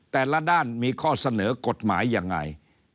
แต่ละด้านมีข้อเสนอกฎหมายยังไง